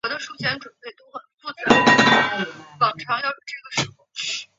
纽约洋基